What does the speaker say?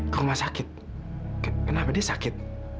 ke rumah sakit kenapa dia sakit